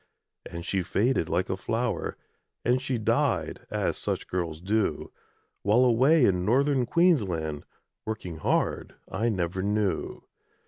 And she faded like a flower, And she died, as such girls do, While, away in Northern Queensland, Working hard, I never knew.